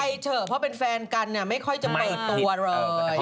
เถอะเพราะเป็นแฟนกันไม่ค่อยจะเปิดตัวเลย